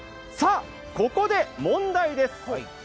ここで問題です。